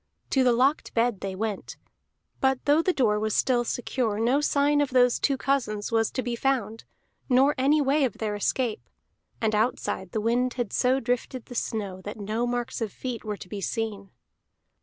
To the locked bed they went, but though the door was still secure, no sign of those two cousins was to be found, nor any way of their escape. And outside the wind had so drifted the snow that no marks of feet were to be seen.